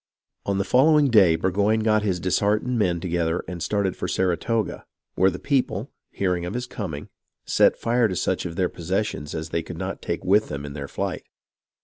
On the following day Burgoyne got his disheartened men together and started for Saratoga, where the people, hearing of his coming, set fire to such of their possessions as they could not take with them in their flight.